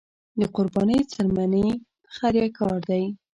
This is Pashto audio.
د قربانۍ څرمنې خیریه کار دی